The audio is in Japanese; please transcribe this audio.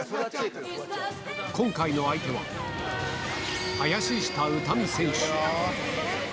今回の相手は、林下詩美選手。